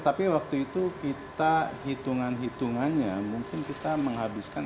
tapi waktu itu kita hitungan hitungannya mungkin kita menghabiskan